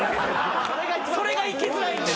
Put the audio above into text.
それがいきづらいんです。